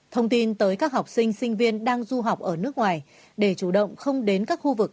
thông tin tới các học sinh sinh viên đang du học ở nước ngoài để chủ động không đến các khu vực